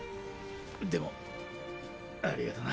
でもありがとな。